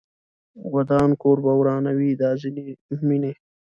ودان کور به ورانوي دا ځینې مینې